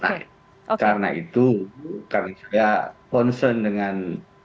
nah karena itu karena saya concern dengan